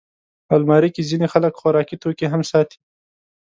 الماري کې ځینې خلک خوراکي توکي هم ساتي